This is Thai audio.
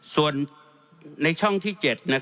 ส่วนในช่องที่๗